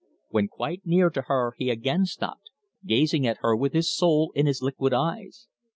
When quite near to her he again stopped, gazing at her with his soul in his liquid eyes.